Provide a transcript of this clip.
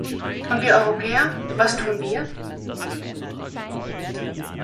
Und wir Europäer, was tun wir?